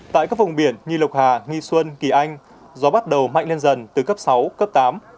tại các vùng biển như lộc hà nghi xuân kỳ anh gió bắt đầu mạnh lên dần từ cấp sáu cấp tám